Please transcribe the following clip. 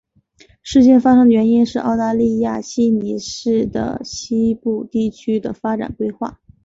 事件发生的原因是澳大利亚悉尼市的西部地区的发展规划。